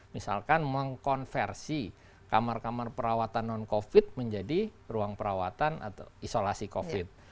misalkan mengkonversi kamar kamar perawatan non covid menjadi ruang perawatan atau isolasi covid